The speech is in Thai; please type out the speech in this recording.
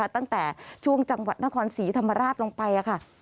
ตั้งแต่ช่วงจังหวัดนครศรีธรรมราชลงไปค่ะ